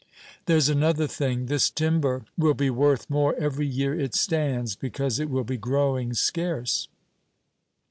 "There's another thing; this timber will be worth more every year it stands, because it will be growing scarce."